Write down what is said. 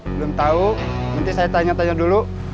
belum tahu nanti saya tanya tanya dulu